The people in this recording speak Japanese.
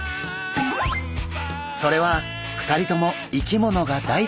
それは２人とも生き物が大好きなこと。